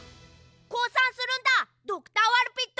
こうさんするんだドクター・ワルピット！